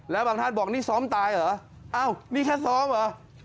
แล้วบางท่านบอกนี่ซ้อมตายเหรออ้าวนี่แค่ซ้อมเหรอ